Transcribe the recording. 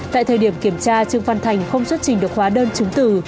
tại thời điểm kiểm tra trương văn thành không xuất trình được hóa đơn chứng từ